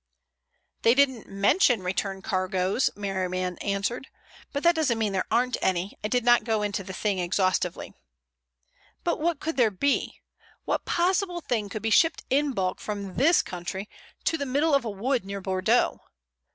"They didn't mention return cargoes," Merriman answered, "but that doesn't mean there aren't any. I did not go into the thing exhaustively." "But what could there be? What possible thing could be shipped in bulk from this country to the middle of a wood near Bordeaux?